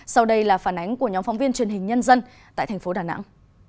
sau đây là phản ánh của nhóm phóng viên truyền hình nhân dân tại thành phố đà nẵng